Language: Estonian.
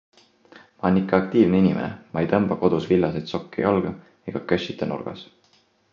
Ma olen ikka aktiivne inimene, ma ei tõmba kodus villaseid sokke jalga ega kössita nurgas.